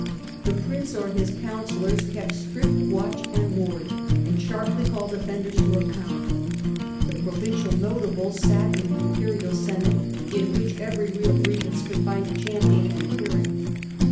The prince 01 his councillors kept strict watch and ward, and sharpl> called offenders to account ; the provincial notables sat in the imperial senate, in which every real grievance could find a champion and a hearing.